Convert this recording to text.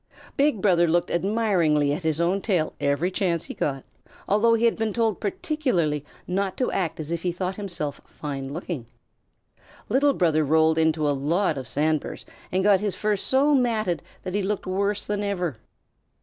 Big Brother looked admiringly at his own tail every chance he got, although he had been told particularly not to act as if he thought himself fine looking. Little Brother rolled into a lot of sand burrs and got his fur so matted that he looked worse than ever.